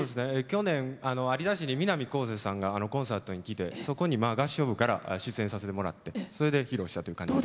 去年、南こうせつさんがコンサートに来てそこに合唱部から出演させてもらってそれで披露したという感じです。